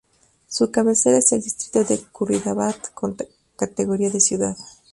Su cabecera es el distrito de Curridabat, con categoría de ciudad.